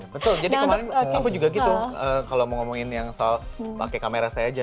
betul jadi kemarin aku juga gitu kalau mau ngomongin yang soal pakai kamera saya aja